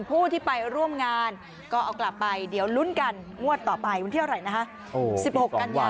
ผู้ที่ไปร่วมงานก็เอากลับไปเดี๋ยวลุ้นกันงวดต่อไปวันที่เท่าไหร่นะคะ